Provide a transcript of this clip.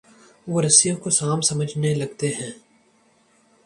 وہ رسیوں کو سانپ سمجھنے لگتے ہیں۔